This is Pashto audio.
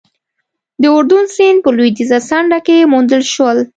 د اردون سیند په لوېدیځه څنډه کې وموندل شول.